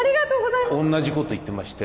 同じこと言ってまして。